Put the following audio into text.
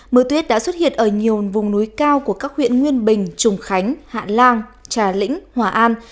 mưa tuyết đã xuất hiện ở nhiều vùng núi cao của các huyện nguyên bình trùng khánh hạ lan trà lĩnh hòa an